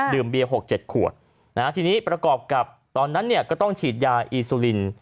ดื่มเบียร์๖๗ขวดทีนี้ประกอบกับตอนนั้นก็ต้องฉีดยาอีซูลิน